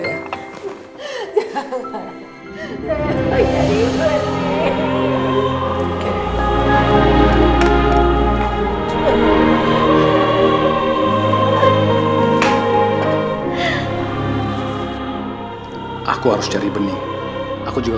saya gak tahu gimana kondisinya disana dok